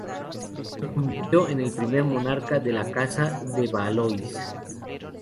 Se convirtió en el primer monarca de la Casa de Valois.